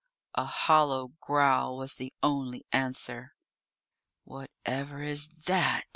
A hollow growl was the only answer. "Whatever is that?"